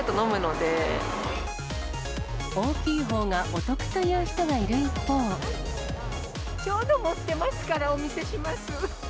大きいほうがお得という人がちょうど持ってますから、お見せします。